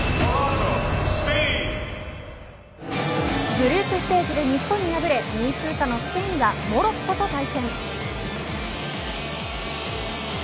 グループステージで日本に敗れ２位通過のスペインはモロッコと対戦。